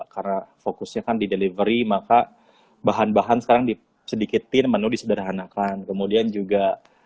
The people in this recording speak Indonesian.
karena fokusnya kan di delivery maka bahan bahan sekarang disedikitin menu disederhanakan kemudian juga